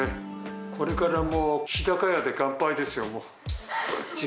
これからもう、日高屋で乾杯ですよ、もう。